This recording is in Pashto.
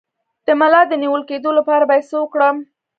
د ملا د نیول کیدو لپاره باید څه وکړم؟